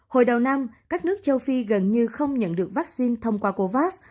hồi đầu năm các nước châu phi gần như không nhận được vaccine thông qua covax